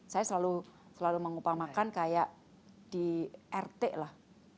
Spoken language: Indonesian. saya selalu mengupamakan kayak di rt lah